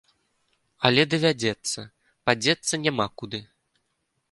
Але давядзецца, падзецца няма куды.